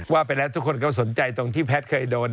ว่าไปแล้วทุกคนก็สนใจตรงที่แพทย์เคยโดน